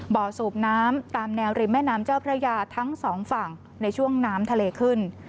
สูบน้ำตามแนวริมแม่น้ำเจ้าพระยาทั้งสองฝั่งในช่วงน้ำทะเลขึ้น